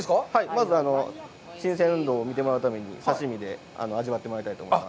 まず、新鮮度を見てもらうために、刺身で味わってもらいたいと思います。